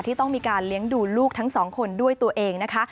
ที่ต้องมีการเลี้ยงดูลูกทั้งสองคนด้วยตัวเองนะคะ